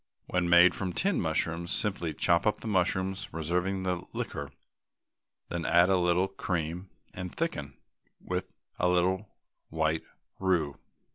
When made from tinned mushrooms, simply chop up the mushrooms, reserving the liquor, then add a little cream and thicken with a little white roux.